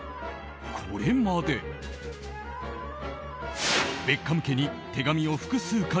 これまでベッカム家に手紙を複数回